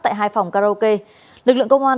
tại hai phòng karaoke lực lượng công an